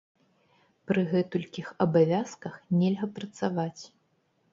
Пры гэтулькіх абавязках нельга працаваць!